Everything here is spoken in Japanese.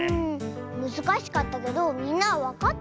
むずかしかったけどみんなはわかった？